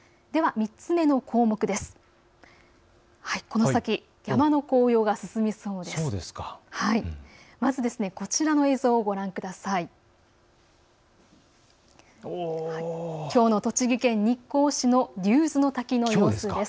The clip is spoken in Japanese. ３つ目の項目です。